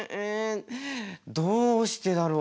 どうしてだろう。